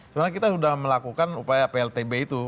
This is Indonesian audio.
sebenarnya kita sudah melakukan upaya pltb itu